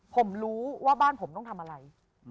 ผมรู้ว่าบ้านผมต้องทำอะไร